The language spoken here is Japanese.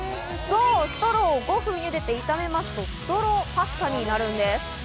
そう、ストローを５分ゆでて炒めますと、ストローパスタになるんです。